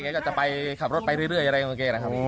ก็จะไปขับรถไปเรื่อยอะไรของแกนะครับ